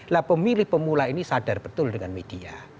nah pemilih pemula ini sadar betul dengan media